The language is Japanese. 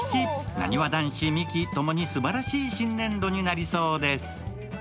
なにわ男子、ミキ、共にすばらしい新年度になりそうです。